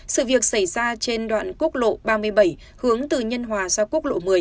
sự việc xảy ra trên đoạn quốc lộ ba mươi bảy hướng từ nhân hòa ra quốc lộ một mươi